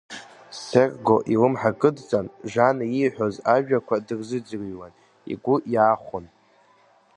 Серго илымҳа кыдҵан, Жана ииҳәоз ажәақәа дырзыӡырҩуан, игәы иаахәон.